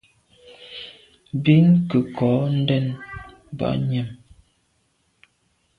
Bin ke nko ndèn banyàm.